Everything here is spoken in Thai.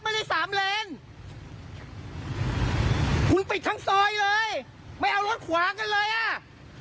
ได้สามเลนคุณปิดทั้งซอยเลยไม่เอารถขวางกันเลยอ่ะ